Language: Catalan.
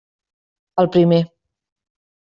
El primer.